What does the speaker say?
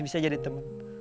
bisa jadi teman